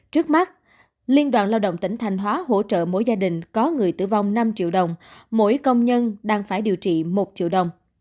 trước mắt liên đoàn lao động tỉnh thanh hóa hỗ trợ mỗi gia đình có người tử vong năm triệu đồng mỗi công nhân đang phải điều trị một triệu đồng